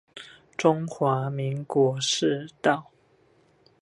中華民國市道